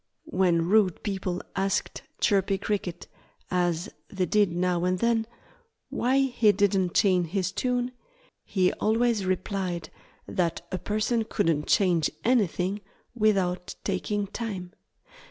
When rude people asked Chirpy Cricket as they did now and then why he didn't change his tune, he always replied that a person couldn't change anything without taking time.